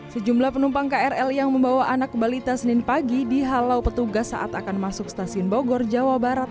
sejumlah penumpang krl yang membawa anak balita senin pagi dihalau petugas saat akan masuk stasiun bogor jawa barat